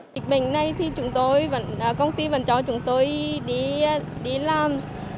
dịch bệnh này thì công ty vẫn cho chúng tôi đi làm